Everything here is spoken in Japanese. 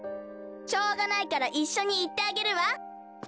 しょうがないからいっしょにいってあげるわ。